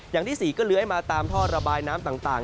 อย่างที่๔ก็เลื้อยมาตามท่อระบายน้ำต่าง